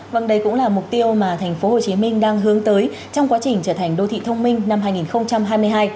vâng đây cũng là mục tiêu mà thành phố hồ chí minh đang hướng tới trong quá trình trở thành đô thị thông minh năm hai nghìn hai mươi hai